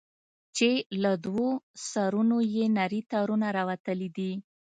چې له دوو سرونو يې نري تارونه راوتلي دي.